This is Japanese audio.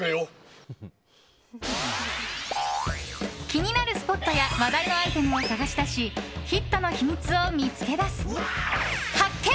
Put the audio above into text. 気になるスポットや話題のアイテムを探し出しヒットの秘密を見つけ出す発見！